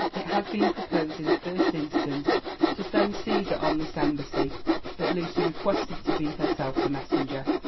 It had been propel in the first instance to send Ciesar on this embassy, but Lucy requested to be herself the messenger.